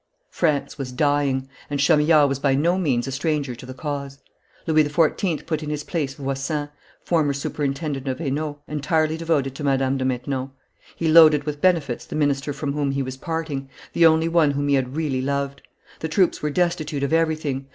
France was dying, and Chamillard was by no means a stranger to the cause. Louis XIV. put in his place Voysin, former superintendent of Hainault, entirely devoted to Madame de Maintenon. He loaded with benefits the minister from whom he was parting, the only one whom he had really loved. The troops were destitute of everything.